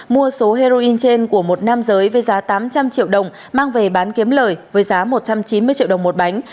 mua số heroin trên của một nam giới với giá tám trăm linh triệu đồng mang về bán kiếm lời với giá một trăm chín mươi triệu đồng một bánh